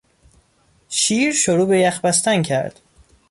شیر شروع به یخ بستن کرد.